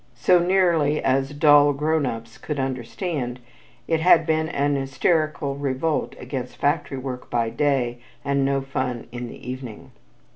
So nearly as dull "grown ups" could understand, it had been an hysterical revolt against factory work by day and "no fun in the evening."